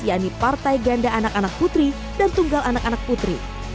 yakni partai ganda anak anak putri dan tunggal anak anak putri